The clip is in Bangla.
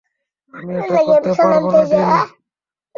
আমি এটা করতে পারবো না, ড্যানি।